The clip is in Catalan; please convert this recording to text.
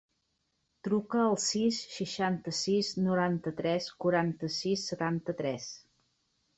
Truca al sis, seixanta-sis, noranta-tres, quaranta-sis, setanta-tres.